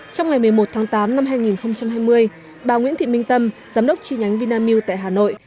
trong ngày một mươi một tháng tám năm hai nghìn hai mươi bà nguyễn thị minh tâm giám đốc chi nhánh vinamilk tại hà nội